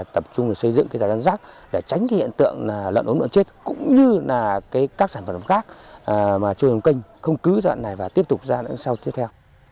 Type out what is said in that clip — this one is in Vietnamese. tập trung xây dựng rác để tránh hiện tượng lợn ốm lợn chết cũng như các sản phẩm khác trôi trong kênh không cứu dọn này và tiếp tục ra sau tiếp theo